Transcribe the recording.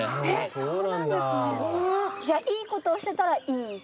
へぇーじゃあいいことをしてたらいい？